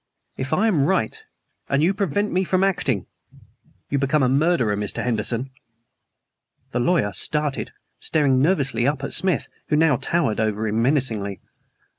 "If I am right, and you prevent me from acting, you become a murderer, Mr. Henderson." The lawyer started, staring nervously up at Smith, who now towered over him menacingly.